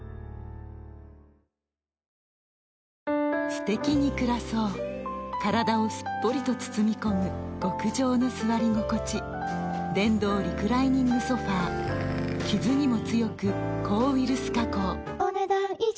すてきに暮らそう体をすっぽりと包み込む極上の座り心地電動リクライニングソファ傷にも強く抗ウイルス加工お、ねだん以上。